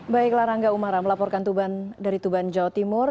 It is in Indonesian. baiklah rangga umara melaporkan dari tuban jawa timur